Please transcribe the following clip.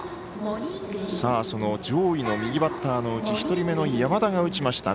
上位の右バッターのうち１人目の山田が打ちました。